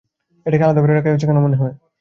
এটাকে আলাদা রাখা হয়েছে কেন মনে হয়?